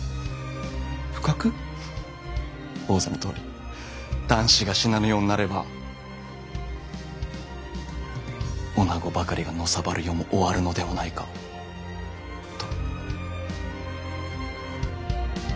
仰せのとおり男子が死なぬようになれば女ばかりがのさばる世も終わるのではないかと。